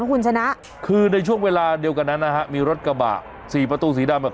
คุณชนะคือในช่วงเวลาเดียวกันนั้นนะฮะมีรถกระบะสี่ประตูสีดำอ่ะ